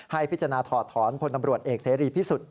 ให้พิจารณาถอดถอนพลตำรวจเอกเสรีพิสุทธิ์